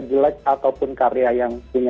jelek ataupun karya yang punya